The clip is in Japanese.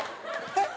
えっ。